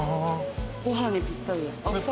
ご飯にぴったりです。